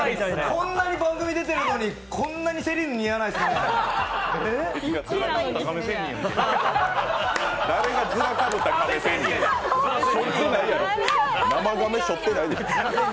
こんなに番組出てるのに、こんなにセリーヌ似合わないんですね。